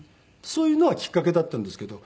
そういうのがきっかけだったんですけど。